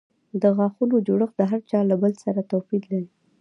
د غاښونو جوړښت د هر چا له بل سره توپیر لري.